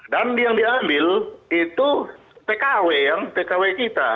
dan dia yang diambil itu tkw ya tkw kita